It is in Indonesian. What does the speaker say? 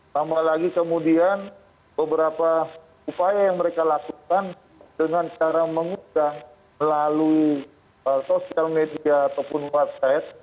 tambah lagi kemudian beberapa upaya yang mereka lakukan dengan cara mengundang melalui sosial media ataupun website